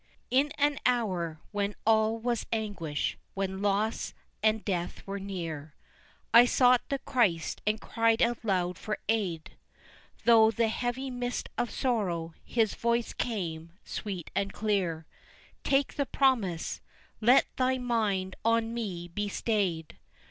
In an hour when all was anguish, when loss and death were near, I sought the Christ and cried aloud for aid, Through the heavy mist of sorrow, His voice came, sweet and clear Take the promise, let thy mind on Me be stayed.